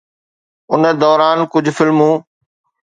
ان دوران ڪجهه فلمون